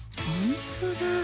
ほんとだ